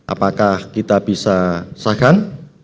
apakah kita bisa sahkan